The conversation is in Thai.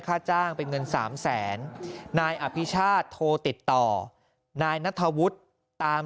ค่าจ้างเป็นเงิน๓๐๐๐๐๐บาทนายอภิชาธิ์โทรติดต่อนายนัทวุธตาม